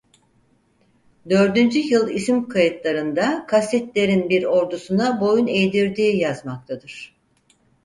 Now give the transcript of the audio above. Dördüncü yıl isim kayıtlarında Kassitler'in bir ordusuna boyun eğdirdiği yazmaktadır.